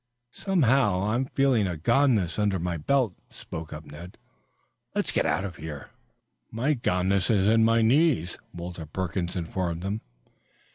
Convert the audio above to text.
"Somehow, I'm feeling a goneness under my belt," spoke up Ned. "Let's get out of here." "My goneness is in my knees," Walter Perkins informed them.